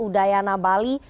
di udayana bali